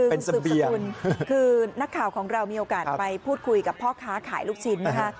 คุณสืบสกุลคือนักข่าวของเรามีโอกาสไปพูดคุยกับพ่อค้าขายลูกชิ้นนะคะ